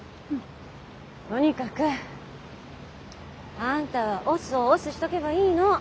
とにかくあんたは押忍を押忍しとけばいいの。